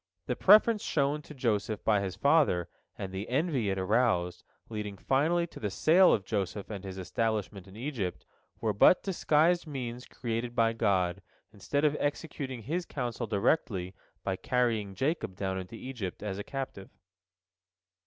The preference shown to Joseph by his father, and the envy it aroused, leading finally to the sale of Joseph and his establishment in Egypt, were but disguised means created by God, instead of executing His counsel directly by carrying Jacob down into Egypt as a captive.